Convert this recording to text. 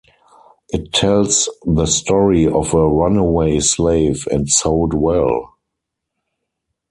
It tells the story of a runaway slave, and sold well.